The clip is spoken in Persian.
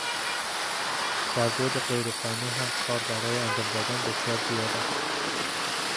در بعد غیر فنی هم کار برای انجام دادن بسیار زیاد است